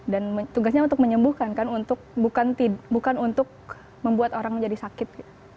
dan tugasnya untuk menyembuhkan kan untuk bukan untuk membuat orang menjadi sakit